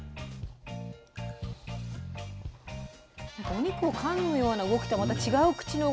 お肉をかむような動きとはまた違う口の動き。